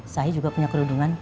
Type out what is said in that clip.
saya juga punya kerudungan